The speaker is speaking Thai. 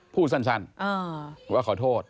พูดสั้นว่าขอโทษ